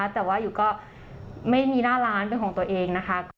แต่ว่าอยู่ก็ไม่มีหน้าร้านเป็นของตัวเองนะคะ